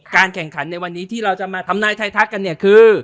แข่งขันในวันนี้ที่เราจะมาทำนายไทยทักกันเนี่ยคือ